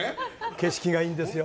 景色がいいんですよ。